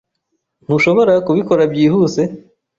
Ntushobora kubikora byihuse?